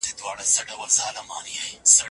روغبړ بې غېږي نه وي.